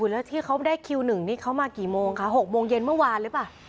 แล้วที่เขาได้คิว๑นี่เขามากี่โมงคะ๖โมงเย็นเมื่อวานหรือเปล่า